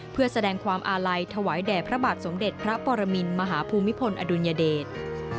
เพื่อแสดงความอาลัยถวายแด่พระบาทสมเด็จพระปรมินมหาภูมิพลอดุลยเดช